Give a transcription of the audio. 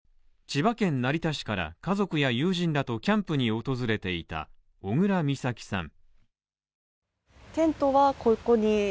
千葉県成田市から家族や友人らとキャンプに訪れていた小倉美咲さん。